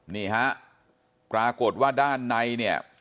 นี่ฮะปรากฏว่าด้านในเนี่ย